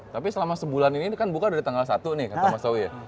tapi selama sebulan ini kan buka dari tanggal satu nih kata mas tauwi ya